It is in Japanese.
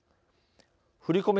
振り込め